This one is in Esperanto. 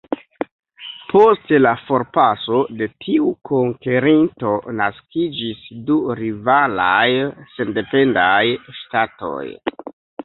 Post la forpaso de tiu konkerinto, naskiĝis du rivalaj sendependaj ŝtatoj.